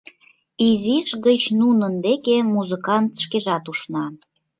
Изиш гыч нунын деке музыкант шкежат ушна.